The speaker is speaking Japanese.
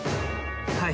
はい！